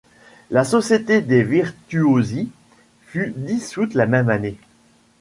La société des Virtuosi fut dissoute la même année.